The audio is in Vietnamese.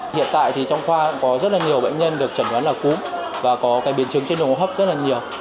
hiện tại trong khoa có rất nhiều bệnh nhân được chẩn đoán là cúm và có biến chứng trên hô hấp rất là nhiều